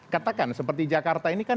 katakan seperti jakarta ini kan